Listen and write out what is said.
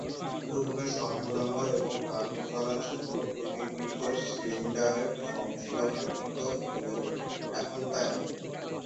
পূর্বে "সরবরাহ" এবং "ধারণ" করার জন্য তৈরীকৃত সিলিন্ডারের সহনশীলতা পৃথক হলেও, এখন তা একই।